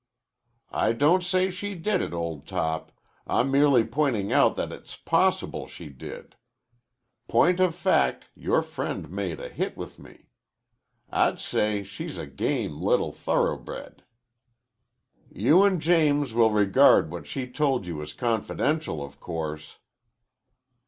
"I don't say she did it, old top. I'm merely pointing out that it's possible she did. Point of fact your friend made a hit with me. I'd say she's a game little thoroughbred." "You an' James will regard what she told you as confidential, of course."